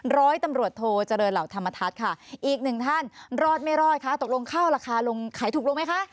ร้อยตำรวจโทเจริญเหล่าธรรมทัศน์ค่ะอีกหนึ่งท่านรอดไม่รอดคะตกลงข้าวราคาลงขายถูกลงไหมคะ